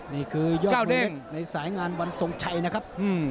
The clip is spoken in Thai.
นี่คือยอดเดชในสายงานวันทรงชัยนะครับ